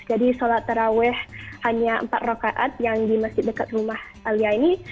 jadi sholat taraweh hanya empat rakaat yang di masjid dekat rumah alia ini